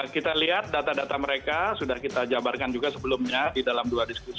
kita lihat data data mereka sudah kita jabarkan juga sebelumnya di dalam dua diskusi